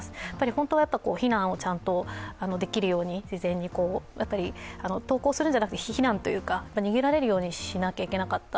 本当は避難をちゃんとできるように事前に、投降するのではなく避難というか逃げられるようにしなきゃいけなかった。